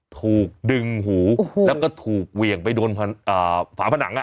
ถูกดึงหูแล้วก็ถูกเหวี่ยงไปโดนฝาผนัง